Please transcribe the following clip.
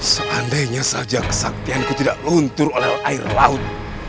seandainya saja kesaktianku tidak luntur oleh air laut